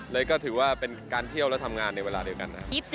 เลยก็ถือว่าเป็นการเที่ยวและทำงานในเวลาเดียวกันนะครับ